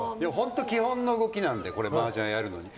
基本の動きなのでマージャンやるのに。